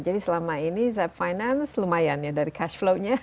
jadi selama ini zep finance lumayan ya dari cash flow nya